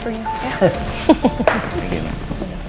terima kasih mama